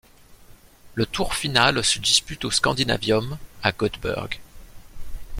Le tour final se dispute au Scandinavium, à Göteborg.